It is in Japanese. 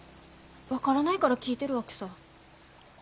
分からないから聞いてるわけさ。